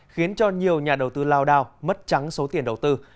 khiến cho nhiều nhà đầu tư lao đao mất trắng số tiền đầu tư